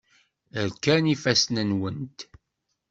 Rkan yifassen-nwent.